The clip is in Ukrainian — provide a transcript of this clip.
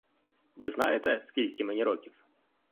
Ви знаєте, скільки мені років?